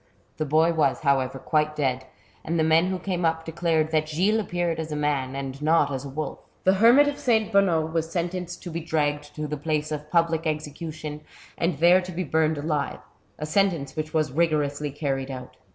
The boy was, however, quite dead, and the men who came up declared that Gilles appeared as a man and not as a wolf. The hermit of S. Bonnot was sentenced to be dragged to the place of public execution, and there to be burned alive, a sentence which was rigorously carried out.